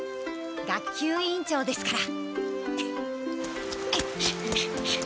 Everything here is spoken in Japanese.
学級委員長ですから。